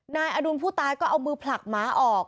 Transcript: นายอดุลผู้ตายก็เอามือผลักหมาออก